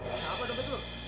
kenapa tempet lu